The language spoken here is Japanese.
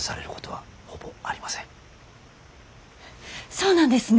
そうなんですね！